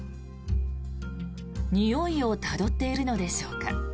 においをたどっているのでしょうか。